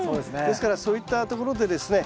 ですからそういったところでですね